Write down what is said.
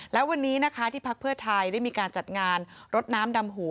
และวันนี้นะคะที่พักเพื่อไทยได้มีการจัดงานรดน้ำดำหัว